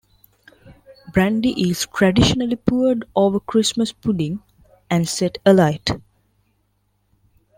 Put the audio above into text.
Brandy is traditionally poured over Christmas pudding and set alight.